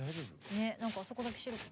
ねっ何かあそこだけ白く。